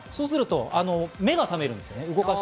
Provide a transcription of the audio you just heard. そうすると目が覚めるんです。